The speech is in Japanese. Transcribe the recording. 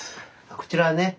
こちらはね